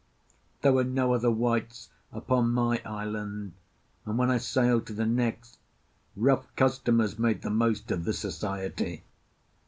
There were no other whites upon my island, and when I sailed to the next, rough customers made the most of the society.